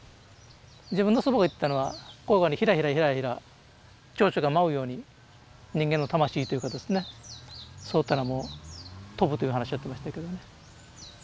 自分の祖母が言ってたのはこういうふうにひらひらひらひら蝶々が舞うように人間の魂というかですねそういったのも飛ぶという話をやってましたけどね。